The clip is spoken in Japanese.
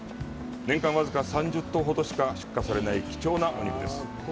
年間僅か３０頭ほどしか出荷されない貴重なお肉です。